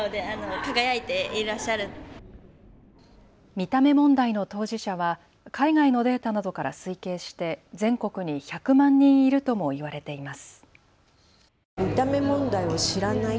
見た目問題の当事者は海外のデータなどから推計して全国に１００万人いるとも言われています。